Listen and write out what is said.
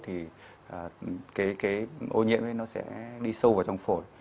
thì cái ô nhiễm ấy nó sẽ đi sâu vào trong phổi